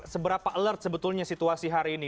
seberapa alert sebetulnya situasi hari ini